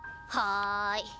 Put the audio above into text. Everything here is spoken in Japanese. はい。